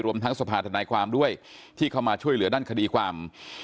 ทั้งสภาธนายความด้วยที่เข้ามาช่วยเหลือด้านคดีความ